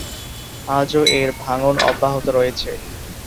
আজও এর ভাঙ্গন অব্যাহত রয়েছে।